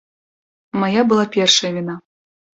Мая была першая віна.